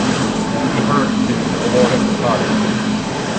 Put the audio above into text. He heard, too, a warning "Hush!"